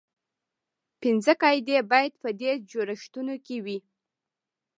پنځه قاعدې باید په دې جوړښتونو کې وي.